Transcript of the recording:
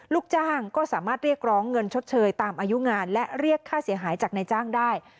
ลูกจ้างก็สามารถเรียกร้องเงินชดเชยตามอายุงานและเรียกค่าเสียหายจากนายจ้างได้